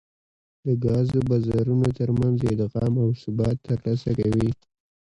د ګازو بازارونو ترمنځ ادغام او ثبات ترلاسه کوي